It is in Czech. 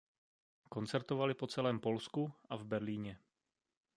Koncertovali po celém Polsku a v Berlíně.